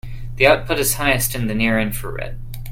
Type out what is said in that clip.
The output is highest in the near infrared.